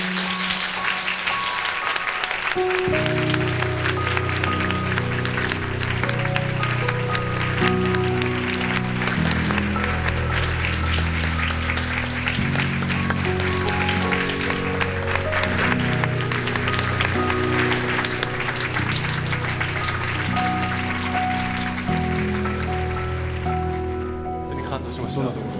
ほんとに感動しました。